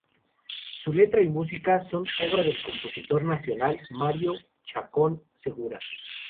Su letra y música son obra del compositor nacional Mario Chacón Segura.